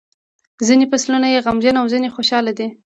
ځینې فصلونه یې غمجن او ځینې خوشاله دي.